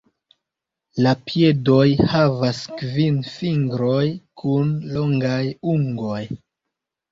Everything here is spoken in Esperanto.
La piedoj havas kvin fingroj kun longaj ungoj.